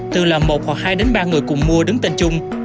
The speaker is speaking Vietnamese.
từ là một hoặc hai đến ba người cùng mua đứng tên chung